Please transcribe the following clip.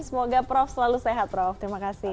semoga prof selalu sehat prof terima kasih